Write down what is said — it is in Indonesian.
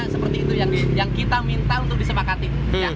seperti itu yang kita minta untuk disepakati